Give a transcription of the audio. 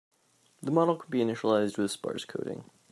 The model can be initialized with sparse coding.